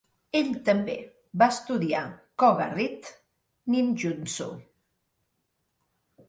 Ell també va estudiar Koga Ryt Ninjutsu.